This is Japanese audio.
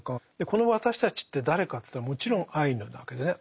この「私たち」って誰かって言ったらもちろんアイヌなわけですよね。